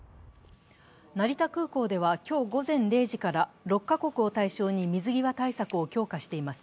成田空港では今日午前０時から６カ国を対象に水際対策を強化しています。